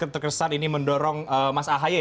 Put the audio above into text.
terkesan ini mendorong mas ahy